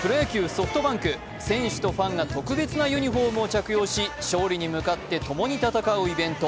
ソフトバンク、選手とファンが特別なユニフォームを着用し勝利に向かって共に戦うイベント